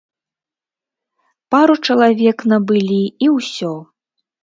Пару чалавек набылі, і ўсё.